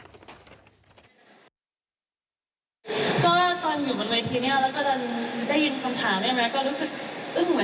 ก็ตอนอยู่บนเวทีนี้แล้วก็ได้ยินคำถามนี้